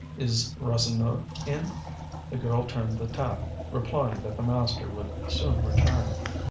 "Is Rasseneur in?" The girl turned the tap, replying that the master would soon return.